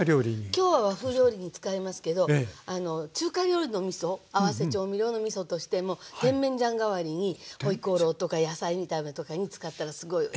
今日は和風料理に使いますけど中華料理のみそ合わせ調味料のみそとしても甜麺醤代わりにホイコーローとか野菜炒めとかに使ったらすごいおいしいと。